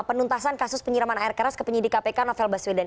penuntasan kasus penyiraman air keras ke penyidik kpk novel baswedan